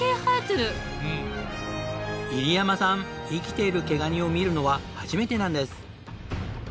入山さん生きている毛ガニを見るのは初めてなんです。